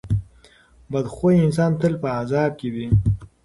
بد خویه انسان تل په عذاب کې وي.